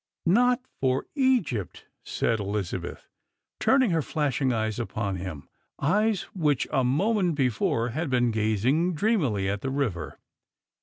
" Not for Egypt," said Elizabeth, turning ner flashing eyes upon him — eyes which a moment before had been gazing dreamily at the river.